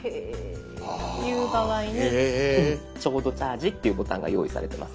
いう場合に「ちょうどチャージ」っていうボタンが用意されてます。